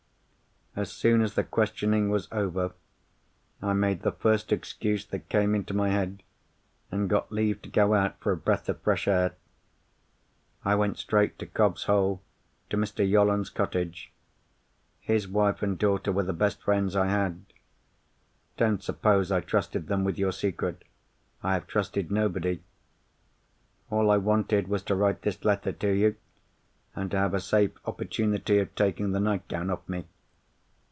"As soon as the questioning was over, I made the first excuse that came into my head, and got leave to go out for a breath of fresh air. I went straight to Cobb's Hole, to Mr. Yolland's cottage. His wife and daughter were the best friends I had. Don't suppose I trusted them with your secret—I have trusted nobody. All I wanted was to write this letter to you, and to have a safe opportunity of taking the nightgown off me.